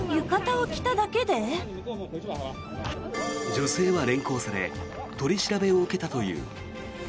女性は連行され取り調べを受けたという。